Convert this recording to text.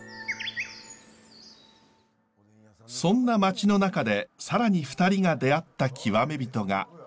そんな町の中で更に２人が出会った極め人が。